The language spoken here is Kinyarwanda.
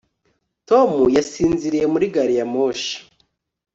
Tom yasinziriye muri gari ya moshi